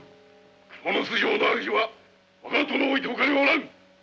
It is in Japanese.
蜘蛛巣城の主は我が殿をおいて他にはおらぬ。